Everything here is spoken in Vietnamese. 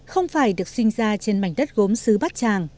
không phải được sinh ra trên mảnh đất gốm xứ bát tràng